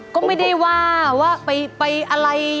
ก็ไม่ได้ว่าว่าไปอะไร